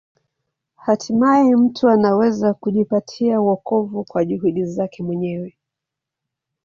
Hatimaye mtu anaweza kujipatia wokovu kwa juhudi zake mwenyewe.